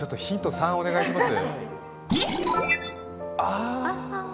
３お願いします。